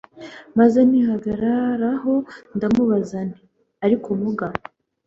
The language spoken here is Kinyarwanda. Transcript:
maze nihagararaho ndamubaza nti ariko muga